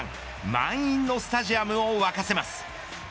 満員のスタジアムを沸かせます。